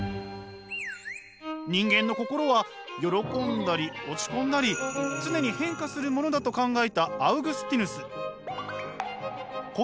人間の心は喜んだり落ち込んだり常に変化するものだと考えたアウグスティヌス。